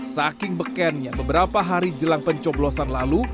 saking bekennya beberapa hari jelang pencoblosan lalu